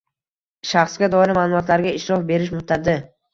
Shaxsga doir ma’lumotlarga ishlov berish muddati